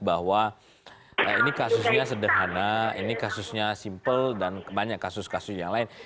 bahwa ini kasusnya sederhana ini kasusnya simpel dan banyak kasus kasus yang lain